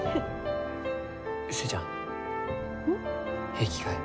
平気かえ？